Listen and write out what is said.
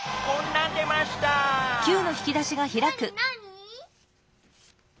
なに？